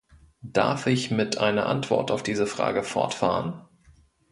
Darf ich mit einer Antwort auf diese Frage fortfahren?